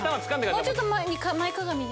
もうちょっと前かがみ。